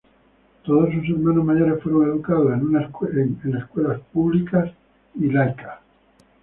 Todos sus hermanos mayores fueron educados en escuelas públicas, bajo una doctrina laica.